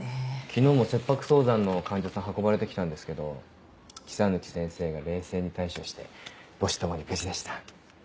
昨日も切迫早産の患者さん運ばれて来たんですけど木佐貫先生が冷静に対処して母子共に無事でした。